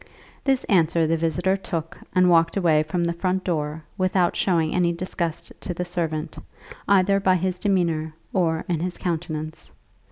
This answer the visitor took and walked away from the front door without showing any disgust to the servant, either by his demeanour or in his countenance.